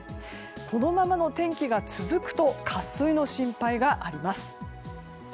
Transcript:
このままの天気が続くと渇水の心配があります。